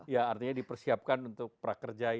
ya artinya dipersiapkan untuk prakerja yang biasa